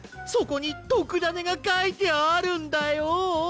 そこにとくダネがかいてあるんだよ！